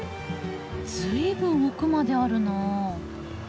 随分奥まであるな。